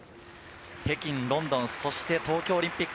北京、ロンドンそして東京オリンピック。